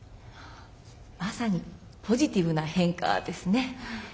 まさに「ポジティブな変化」ですね。